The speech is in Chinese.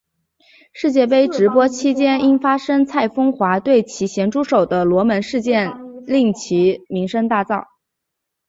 世界杯直播期间因发生蔡枫华对其咸猪手的罗生门事件令其声名大噪。